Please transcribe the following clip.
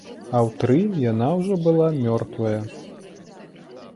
А ў тры яна ўжо была мёртвая!